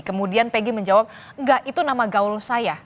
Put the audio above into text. kemudian peggy menjawab enggak itu nama gaul saya